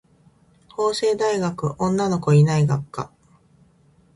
法政大学女の子いない学科